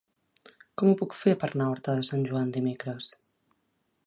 Com ho puc fer per anar a Horta de Sant Joan dimecres?